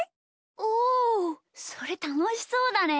おおそれたのしそうだね！